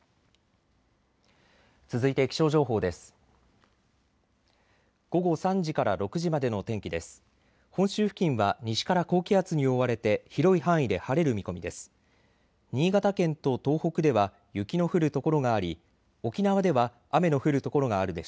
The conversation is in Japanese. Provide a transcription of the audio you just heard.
続いて気象情報です。